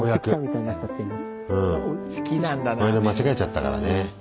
この間間違えちゃったからね。